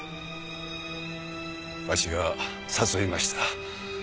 わしが誘いました。